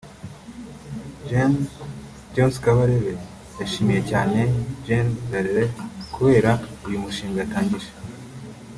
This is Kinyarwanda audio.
Gen James Kabarebe yashimiye cyane Gen Dallaire kubera uyu mushinga yatangije